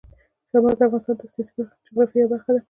چار مغز د افغانستان د سیاسي جغرافیې یوه برخه ده.